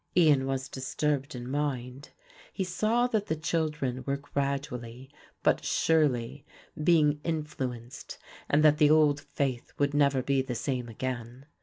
Ian was disturbed in mind; he saw that the children were gradually but surely being influenced and that the old faith would never be the same again.